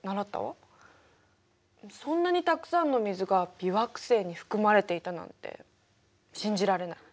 そんなにたくさんの水が微惑星に含まれていたなんて信じられない。